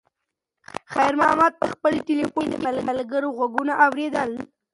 خیر محمد په خپل تلیفون کې د ملګرو غږونه اورېدل.